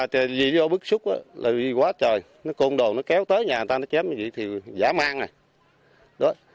trên bắc xúc là quá trời con đồ nó kéo tới nhà người ta nó kéo như vậy thì giả mang này